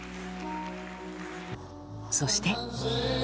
そして。